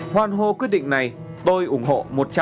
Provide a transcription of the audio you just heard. hoàn hô quyết định này tôi ủng hộ một trăm linh